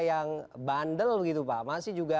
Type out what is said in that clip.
yang bandel gitu pak masih juga